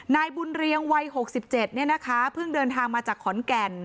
นายบุญเรียงวัยหกสิบเจ็ดเนี้ยนะคะเพิ่งเดินทางมาจากขอนแก่น